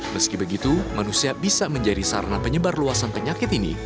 meski begitu manusia bisa menjadi sarana penyebar luasan penyakit ini